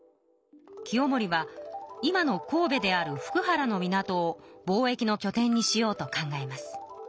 清盛は今の神戸である福原の港を貿易のきょ点にしようと考えます。